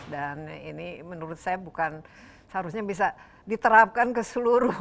dan ini menurut saya bukan seharusnya bisa diterapkan ke seluruh